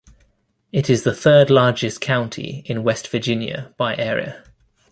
It is the third-largest county in West Virginia by area.